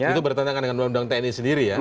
itu bertentangan dengan undang undang tni sendiri ya